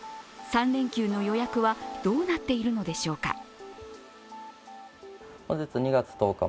３連休の予約はどうなっているのでしょうか。